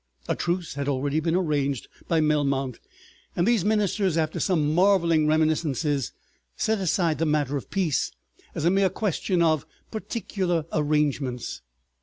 A truce had already been arranged by Melmount, and these ministers, after some marveling reminiscences, set aside the matter of peace as a mere question of particular arrangements.